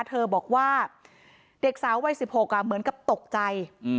เธอบอกว่าเด็กสาววัย๑๖เหมือนกับตกใจ